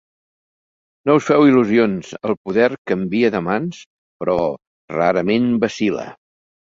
No us feu il·lusions: el poder canvia de mans, però rarament vacil·la...